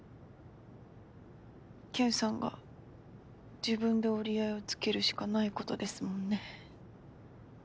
ケンさんが自分で折り合いをつけるしかないことですもんね。